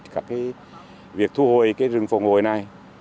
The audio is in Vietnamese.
các cái việc thu hồi cái rừng phổng hồi này